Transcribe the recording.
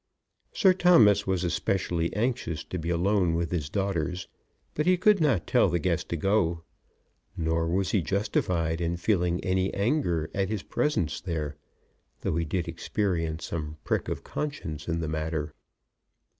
Sir Thomas was especially anxious to be alone with his daughters, but he could not tell the guest to go. Nor was he justified in feeling any anger at his presence there, though he did experience some prick of conscience in the matter.